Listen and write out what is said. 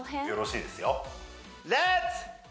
よろしいですよレッツ！